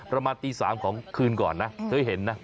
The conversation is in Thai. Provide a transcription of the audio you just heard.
ประมาณตี๓ของคืนก่อนนะเธอเห็นนะ